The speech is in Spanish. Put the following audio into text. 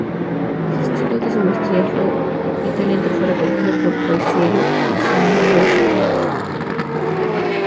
El testigo de su maestría y talento fue recogido por Paisiello y Cimarosa.